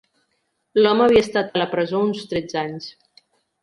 L'home havia estat a la presó uns tretze anys.